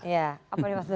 iya apa nih mas duda